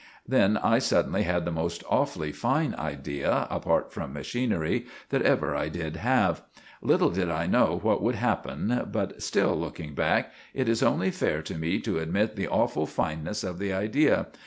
Then I suddenly had the most awfully fine idea, apart from machinery, that ever I did have. Little did I know what would happen, but still, looking back, it is only fair to me to admit the awful fineness of the idea.